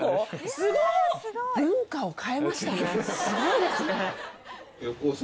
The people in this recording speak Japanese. すごいですね。